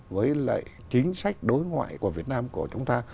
với lại chính sách đối ngoại của việt nam của chúng ta